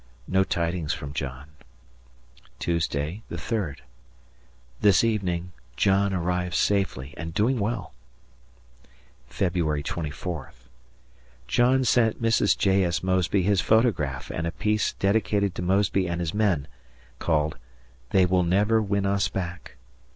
No tidings from John. Tuesday, 3rd. This evening ... John arrived safely and doing well. Feb. 24th. John sent Mrs. J. S. Mosby his photograph and a piece dedicated to Mosby and his men "They Will Never Win Us Back."